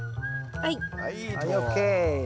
はい。